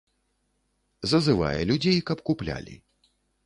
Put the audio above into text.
Зазывае людзей, каб куплялі.